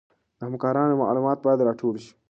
د همکارانو معلومات باید راټول شي.